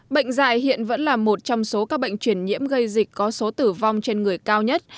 bệnh dạy hiện vẫn là một trong số các bệnh truyền nhiễm gây dịch có số tử vong trên người cao nhất